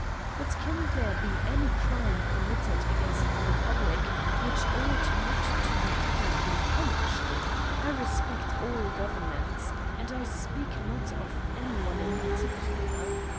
But can there be any crime committed against the public which ought not to be publicly punished? I respect all governments ; and I speak not of any one in par ticular.